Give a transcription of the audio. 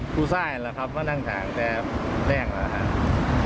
ผู้ทรายเห็นแล้วครับเมื่อนั่งทางแดบแด้งแล้วครับ